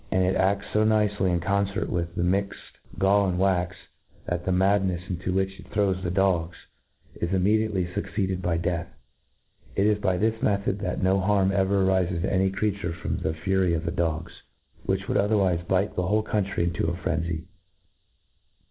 97 Inelmation, and it a^ fo nicely in concert m^ l^e miffed gall and wax ^— that the madnefc is^ wbiiCh it throws the dog$ is immediately fuc cecdcd by death. Ijt is by this method that no liarm ever arifcs to my creature from the fury rf the dogs, which would otherwifc bite the ^hol^ country mto 5t frenzy.